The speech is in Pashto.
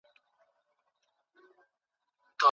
هغه څه زده کړه چې ګټه درته رسوي.